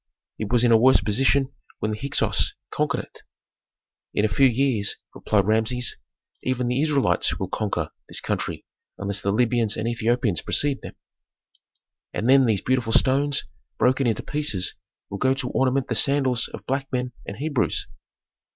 "It was in a worse position when the Hyksos conquered it." "In a few years," replied Rameses, "even the Israelites will conquer this country unless the Libyans and Ethiopians precede them. And then these beautiful stones, broken into pieces, will go to ornament the sandals of black men and Hebrews."